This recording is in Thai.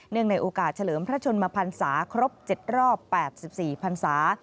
เนื่องในโอกาสเฉลิมพระชนมพรรษาครบ๗รอบ๘๔พรรษา